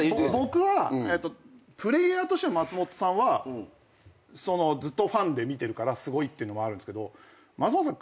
僕はプレーヤーとしての松本さんはずっとファンで見てるからすごいってのもあるんですけど松本さん